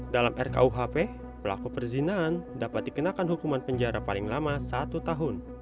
dalam rkuhp pelaku perzinaan dapat dikenakan hukuman penjara paling lama satu tahun